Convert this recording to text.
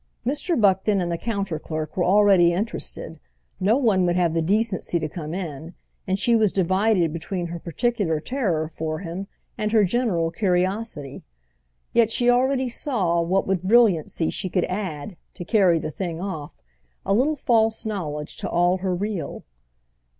Mr. Buckton and the counter clerk were already interested; no one would have the decency to come in; and she was divided between her particular terror for him and her general curiosity. Yet she already saw with what brilliancy she could add, to carry the thing off, a little false knowledge to all her real.